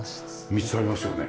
３つありますよね。